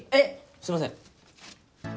すいません。